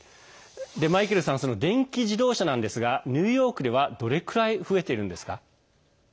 その電気自動車ですがニューヨークではどれくらい増えているんですか？